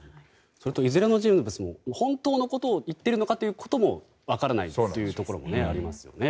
いずれの人物も本当のことを言っているのかというところも分からないというところもありますよね。